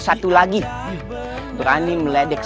satu lagi berani meledek